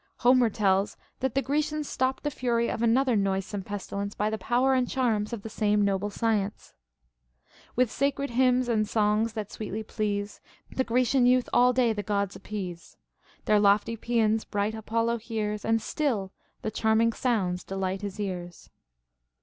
Homer tells that the Grecians stopped the fury of another noisome pestilence by the power and charms of the same noble science :— With sacred liymns and songs tliat sweetly please. The Grecian youth all day the Gods appease. Their lofty paeans bright Apollo hears, And still the charming sounds delight his ears.